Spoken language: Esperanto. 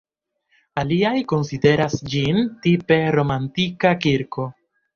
Aliaj konsideras ĝin tipe romanika kirko.